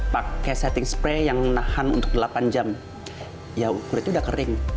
pakai setting spray yang nahan untuk delapan jam ya kulitnya udah kering